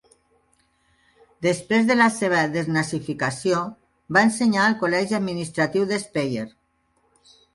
Després de la seva desnazificació va ensenyar al col·legi administratiu de Speyer.